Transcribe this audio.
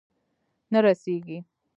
نه رسیږې